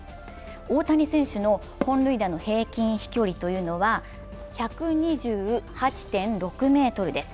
大谷選手の本塁打の平均飛距離というのは１２８．６ｍです。